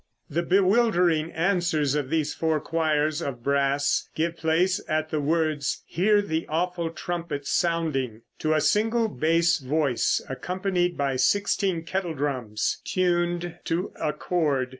The bewildering answers of these four choirs of brass give place at the words "Hear the awful trumpet sounding," to a single bass voice, accompanied by sixteen kettle drums, tuned to a chord.